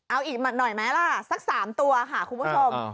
เอาอีกหน่อยไหมล่ะสัก๓ตัวค่ะคุณผู้ชม